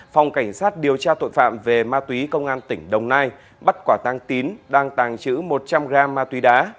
phòng cảnh sát điều tra tội phạm về ma túy công an tỉnh đồng nai bắt quả tăng tín đang tàng trữ một trăm linh gram ma túy đá